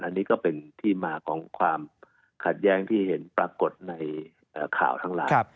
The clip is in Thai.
อันนี้ก็เป็นที่มาของความขัดแย้งที่เห็นปรากฏในข่าวทั้งหลาย